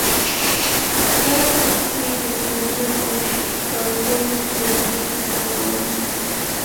داسې چې د پنځم او شپږم ټولګي زده کوونکی